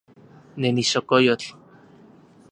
Ne nixokoyotl.